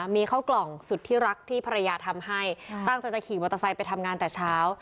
มีเข้ากล่องสุดที่รักที่ภรรยาทำให้ตั้งใจจะขี่มอเตอร์ไซค์ไปทำงานแต่เช้า